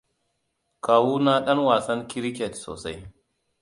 Kawuna ɗan wasan Kiriket sosai.